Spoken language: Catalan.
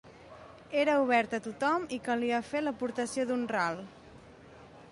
Era oberta a tothom i calia fer l'aportació d'un ral.